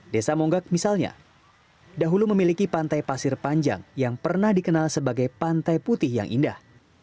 desa monggak misalnya dahulu memiliki pantai pasir panjang yang pernah dikenal sebagai pantai putih yang indah